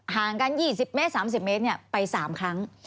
ห่างกัน๒๐เมตร๓๐เมตรไป๓ครั้ง